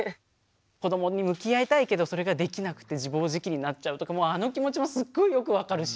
「子どもに向き合いたいけどそれができなくて自暴自棄になっちゃう」とかもうあの気持ちもすっごいよく分かるし。